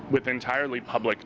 việc mà thông tin kịp thời đến